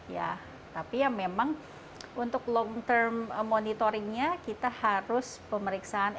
ya tapi ya memang untuk long term monitoringnya kita harus pemeriksaan